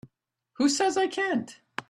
Who says I can't?